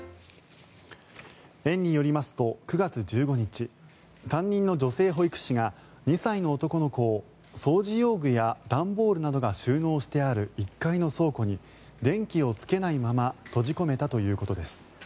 園によりますと９月１５日担任の女性保育士が２歳の男の子を掃除用具や段ボールなどが収納してある１階の倉庫に電気をつけないまま閉じ込めたということです。